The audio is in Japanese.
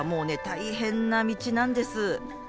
大変な道なんです。